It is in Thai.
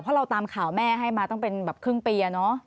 เพราะเราตามข่าวแม่ให้มาตั้งเป็นแบบครึ่งปี